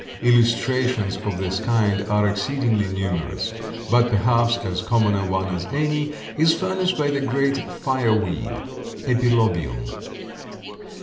Illustrations of this kind are exceedingly numerous, but perhaps as common a one as any is furnished by the great fireweed, Epilobium.